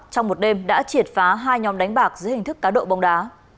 trong một đêm đã triệt phá hai nhóm đánh bạc dưới hình thức cá độ bóng đá